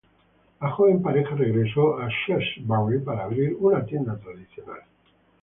La joven pareja regresó a Shrewsbury para abrir una tienda tradicional.